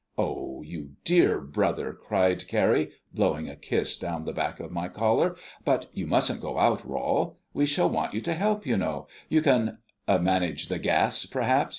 "Oh, you dear brother!" cried Carrie, blowing a kiss down the back of my collar. "But you mustn't go out, Rol. We shall want you to help, you know. You can " "Manage the gas, perhaps?"